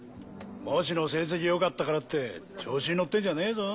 模試の成績良かったからって調子に乗ってんじゃねえぞ。